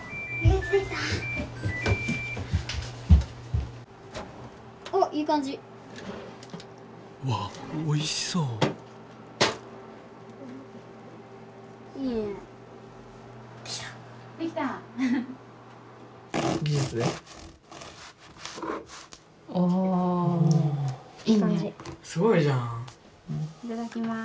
おおいただきます。